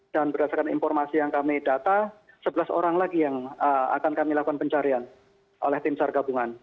dan berdasarkan informasi yang kami data sebelas orang lagi yang akan kami lakukan pencarian oleh tim sar gabungan